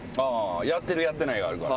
やってるやってないがあるから。